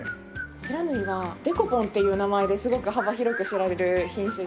不知火はデコポンっていう名前ですごく幅広く知られる品種で。